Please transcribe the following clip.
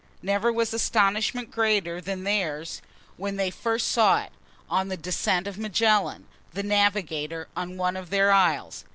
Never was astonishment greater than theirs when they first saw it, on the descent of Magellan, the navigator, on one of their isles.